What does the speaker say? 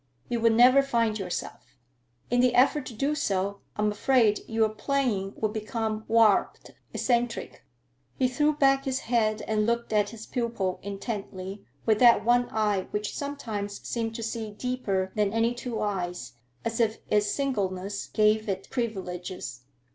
You would never find yourself. In the effort to do so, I'm afraid your playing would become warped, eccentric." He threw back his head and looked at his pupil intently with that one eye which sometimes seemed to see deeper than any two eyes, as if its singleness gave it privileges.